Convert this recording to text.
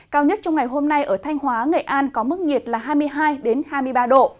cao nhất trong ngày hôm nay ở thanh hóa nghệ an có mức nhiệt là hai mươi hai hai mươi ba độ